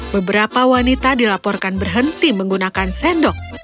beberapa wanita dilaporkan berhenti menggunakan sendok